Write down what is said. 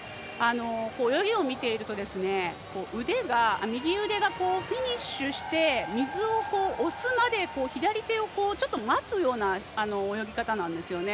泳ぎを見ていると右腕がフィニッシュして水を押すまで左手を待つような泳ぎ方なんですよね。